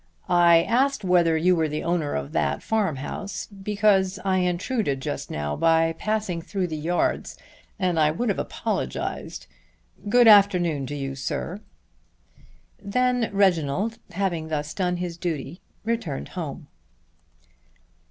I asked whether you were the owner of that farm house because I intruded just now by passing through the yards, and I would have apologized. Good afternoon to you, sir." Then Reginald having thus done his duty returned home.